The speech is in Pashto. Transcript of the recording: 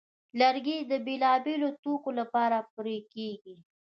لرګی د بېلابېلو توکو لپاره پرې کېږي.